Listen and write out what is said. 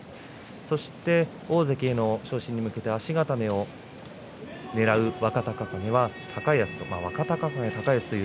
そして大関への昇進に向けて足固めをねらう若隆景が高安と。